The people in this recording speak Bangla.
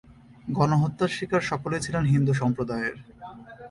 গণহত্যার শিকার সকলেই ছিলেন হিন্দু সম্প্রদায়ের।